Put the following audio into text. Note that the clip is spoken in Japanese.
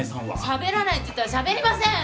しゃべらないっていったらしゃべりません！